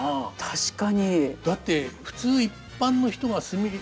確かに。